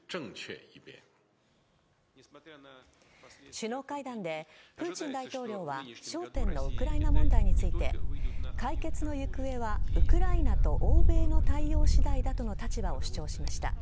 首脳会談でプーチン大統領は焦点のウクライナ問題について解決の行方はウクライナと欧米の対応次第だとの立場を主張しました。